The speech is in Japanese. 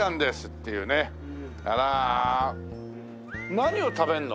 何を食べるの？